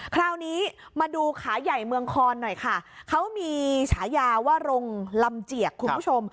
คราวนี้มาดูขาใหญ่เมืองคอนหน่อยค่ะเขามีฉายาว่ารงลำเจียกคุณผู้ชม